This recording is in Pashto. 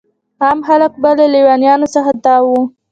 عام خلک به له لیونیانو څخه تاو وو.